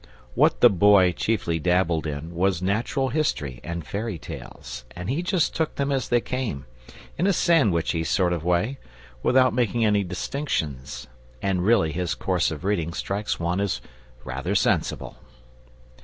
What the Boy chiefly dabbled in was natural history and fairy tales, and he just took them as they came, in a sandwichy sort of way, without making any distinctions; and really his course of reading strikes one as rather sensible.